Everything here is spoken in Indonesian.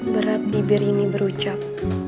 berat bibir ini berucap